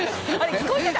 聞こえてた？